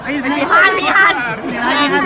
ให้พี่ฮันมาตอบก่อน